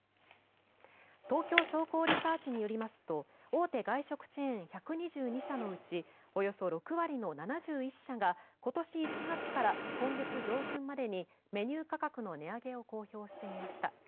東京商工リサーチによりますと大手外食チェーン１２２社のうちおよそ６割の７１社が今年１月から今月上旬までにメニュー価格の値上げを公表していました。